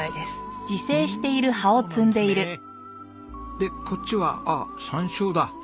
でこっちはああ山椒だ。